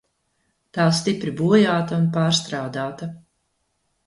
Tā stipri bojāta un pārstrādāta.